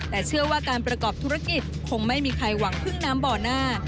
แต่เชื่อว่าการประกอบธุรกิจคงไม่มีใครหวังพึ่งน้ำบ่อหน้า